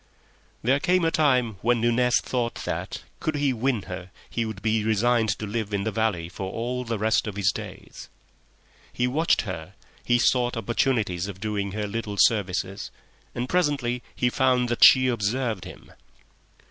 There came a time when Nunez thought that, could he win her, he would be resigned to live in the valley for all the rest of his days. He watched her; he sought opportunities of doing her little services and presently he found that she observed him.